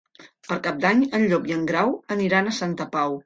Per Cap d'Any en Llop i en Grau aniran a Santa Pau.